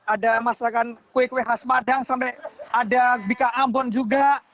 ada masakan kue kue khas padang sampai ada bika ambon juga